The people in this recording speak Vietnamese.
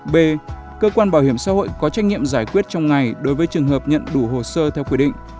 b cơ quan bảo hiểm xã hội có trách nhiệm giải quyết trong ngày đối với trường hợp nhận đủ hồ sơ theo quy định